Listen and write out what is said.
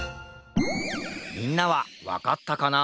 みんなはわかったかな？